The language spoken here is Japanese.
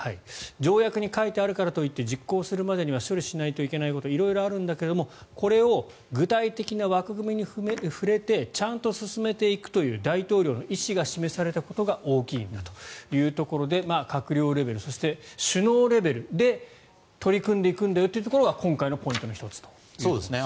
条約に書いてあるからといって実行するまでには処理しないといけないことが色々あるんだけれどこれを具体的な枠組みに触れてちゃんと進めていくという大統領の意思が示されたことが大きいんだというところで閣僚レベル、そして首脳レベルで取り組んでいくんだというところが今回のポイントの１つということですね。